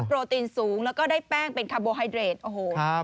โรตีนสูงแล้วก็ได้แป้งเป็นคาร์โบไฮเดรดโอ้โห